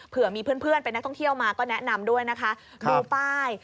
เผื่อมีเพื่อนเป็นนักท่องเที่ยวมาก็แนะนำด้วยนะคะดูป้าย